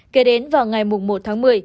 kể đến vào ngày một tháng một mươi